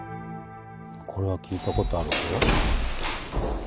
これは聞いたことあるぞ。